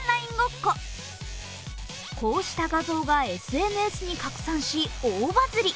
こうした画像がＳＮＳに拡散し、大バズり。